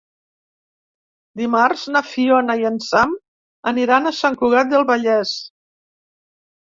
Dimarts na Fiona i en Sam aniran a Sant Cugat del Vallès.